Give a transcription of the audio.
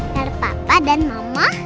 biar papa dan mama